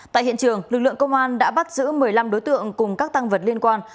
tại hiện trường lực lượng công an đã bắt giữ một mươi năm đối tượng cùng các tăng vật liên quan